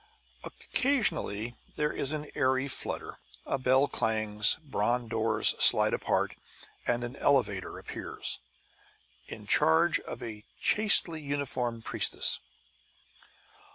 Occasionally there is an airy flutter, a bell clangs, bronze doors slide apart, and an elevator appears, in charge of a chastely uniformed priestess.